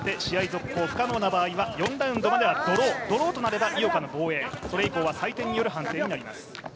続行不可能な場合は４ラウンドまでドロードローとなれば井岡の防衛、それ以降は判定の採点となります。